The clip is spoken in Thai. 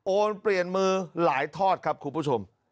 เปลี่ยนมือหลายทอดครับคุณผู้ชม